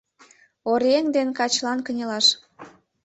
Оръеҥ ден качылан кынелаш.